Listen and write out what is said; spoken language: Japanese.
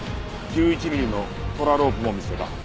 １１ミリのトラロープも見つけた。